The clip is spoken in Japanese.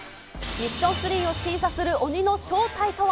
ミッション３を審査する鬼の正体とは。